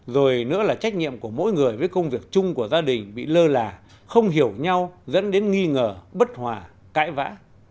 rồi nữa là trách nhiệm của mỗi người với công việc chung của gia đình bị lơ là không hiểu nhau dẫn đến nghi ngờ bất hòa cãi vã